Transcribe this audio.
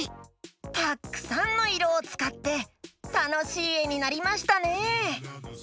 たっくさんのいろをつかってたのしいえになりましたね。